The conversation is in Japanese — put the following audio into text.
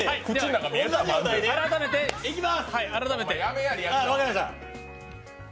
改めていきます。